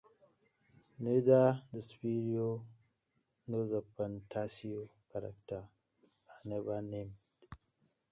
Neither the "Spirou", nor the "Fantasio" character are ever named.